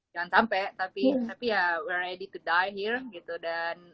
jangan sampai tapi ya we're ready to die here gitu dan